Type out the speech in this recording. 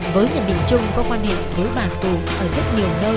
với nhận định trung có quan hệ với bà tùng ở rất nhiều nơi